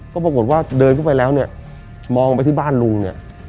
ก็ปรากฏว่าเดินเข้าไปแล้วเนี่ยมองไปที่บ้านลุงเนี่ย